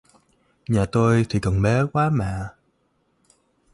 Nhà tôi thì còn bé quá mà